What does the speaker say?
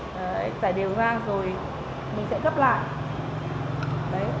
đấy giải đều ra rồi mình sẽ gấp lại